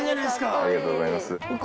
ありがとうございます。